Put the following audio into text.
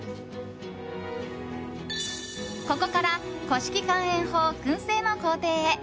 ここから古式乾塩法燻製の工程へ。